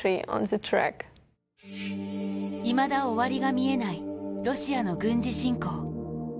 いまだ終わりが見えないロシアの軍事侵攻。